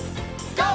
ＧＯ！